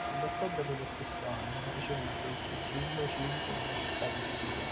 Nell'ottobre dello stesso anno ha ricevuto il Sigillo Civico della città di Torino.